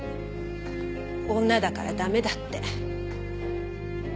女だから駄目だって。